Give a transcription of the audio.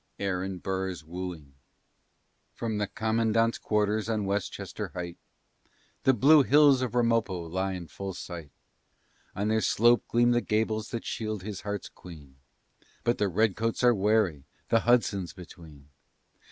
AARON BURR'S WOOING From the commandant's quarters on Westchester height The blue hills of Ramapo lie in full sight: On their slope gleam the gables that shield his heart's queen, But the redcoats are wary the Hudson's between.